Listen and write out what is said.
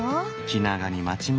気長に待ちましょ。